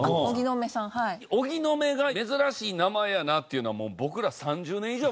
「荻野目」が珍しい名前やなっていうのはもう僕ら。